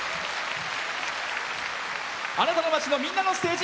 あなたの街の、みんなのステージ。